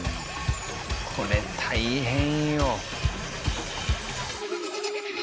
これ大変よ。